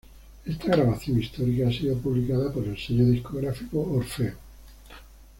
Esta grabación histórica ha sido publicada por el sello discográfico Orfeo.